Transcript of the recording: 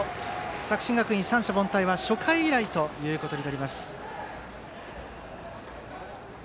作新学院、三者凡退は初回以来となります。